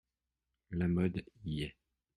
La mode y est.